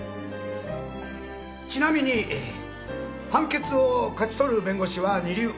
ちなみに判決を勝ち取る弁護士は二流。